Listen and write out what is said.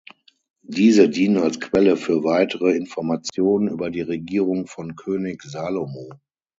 Diese dienen als Quelle für weitere Informationen über die Regierung von König Salomo.